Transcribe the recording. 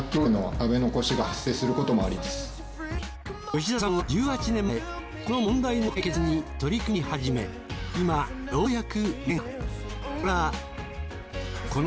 吉田さんは１８年前この問題の解決に取り組み始め今ようやく芽が。